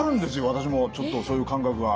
私もちょっとそういう感覚が。